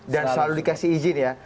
dan selalu dikasih izin ya